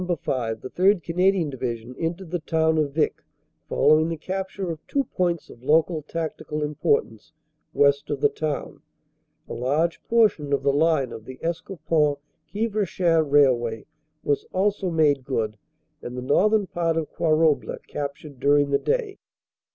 5 the 3rd. Canadian Divi sion entered the town of Vicq, following the capture of two points of local tactical importance west of the town. A large portion of the line of the Escaupont Quievrechain railway was also made good and the northern part of Quarouble captured during the day.